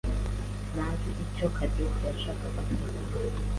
ntazi icyo Cadette yashakaga kuvuga.